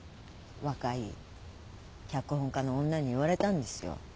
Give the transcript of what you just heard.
若い脚本家の女に言われたんですよ。